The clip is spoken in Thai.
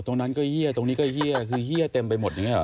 ตรงนั้นก็เยี่ยตรงนี้ก็เยี่ยคือเฮียเต็มไปหมดอย่างนี้หรอ